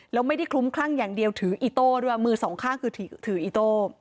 แล้วไม่ได้คลุ้มคลั่งอย่างเดียวถืออิโต้ด้วยมือสองข้างคือถืออิโต้